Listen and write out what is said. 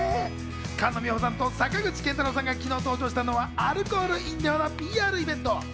菅野美穂さんと坂口健太郎さんが昨日登場したのはアルコール飲料のＰＲイベント。